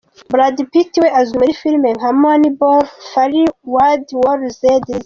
Bradd Pitt we azwi muri filime nka Moneyball, Fury, World War Z n’izindi.